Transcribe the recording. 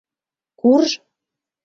— Курж!..